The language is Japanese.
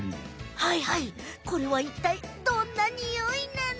はいはいこれはいったいどんなニオイなの？